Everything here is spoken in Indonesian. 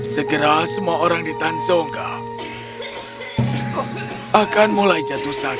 segera semua orang di tansoga akan mulai jatuh sakit